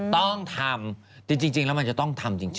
ต้องทำจริงแล้วมันจะต้องทำจริง